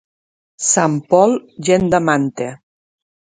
Sant Pol, gent de manta.